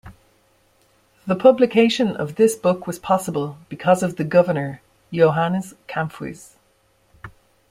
The publication of this book was possible because of the governor Johannes Camphuys.